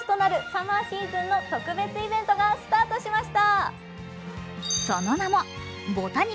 サマーシーズンの特別イベントがスタートしました。